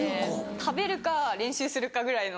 食べるか練習するかぐらいの。